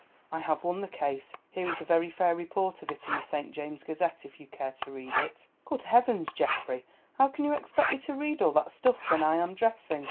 I have won the case. Here is a very fair report of it in the St. James's Gazette if you care to read it." "Good heavens, Geoffrey! How can you expect me to read all that stuff when I am dressing?"